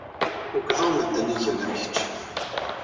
Ukḍeɣ medden ay igan am kečč.